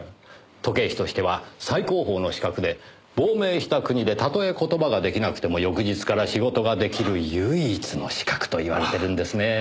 時計師としては最高峰の資格で亡命した国でたとえ言葉が出来なくても翌日から仕事が出来る唯一の資格と言われてるんですね。